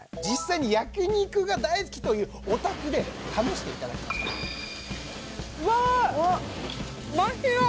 実際に焼き肉が大好きというお宅で試していただきました